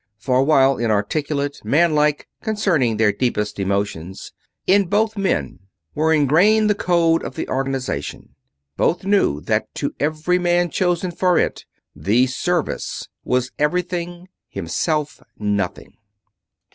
For while inarticulate, man like, concerning their deepest emotions, in both men was ingrained the code of the organization; both knew that to every man chosen for it THE SERVICE was everything, himself nothing.